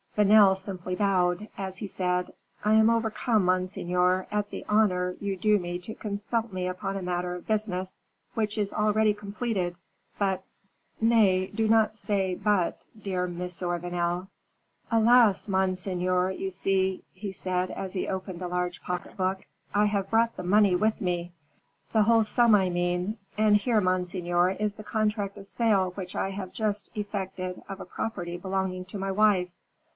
Vanel simply bowed, as he said, "I am overcome, monseigneur, at the honor you do me to consult me upon a matter of business which is already completed; but " "Nay, do not say but, dear Monsieur Vanel." "Alas! monseigneur, you see," he said, as he opened a large pocket book, "I have brought the money with me, the whole sum, I mean. And here, monseigneur, is the contract of sale which I have just effected of a property belonging to my wife.